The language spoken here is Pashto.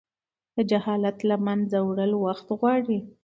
د جهالت له منځه وړل وخت غواړي.